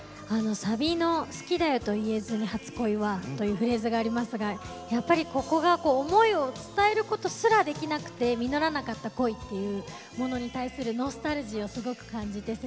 サビの「好きだよと言えずに初恋は」というフレーズがありますがやっぱりここが思いを伝えることすらできなくて実らなかった恋っていうものに対するノスタルジーをすごく感じて切ない気持ちになります。